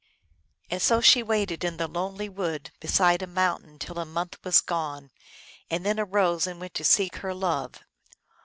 And so she waited in the lonely wood beside the mountain till a month was gone, and then arose and went to seek her love.